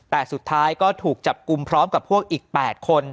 แต่สุดท้ายก็ถูกจับกลุ่มพร้อมกับพวกอีก๘คน